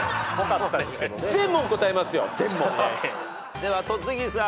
では戸次さん。